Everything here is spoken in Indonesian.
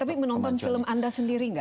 tapi menonton film anda sendiri nggak